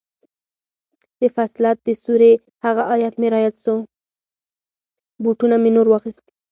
بوټونه می نور واخيست.